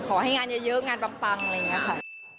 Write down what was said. ขอให้งานเยอะงานปังอะไรอย่างนี้ค่ะ